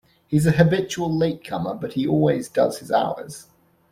He's a habitual latecomer, but he always does his hours.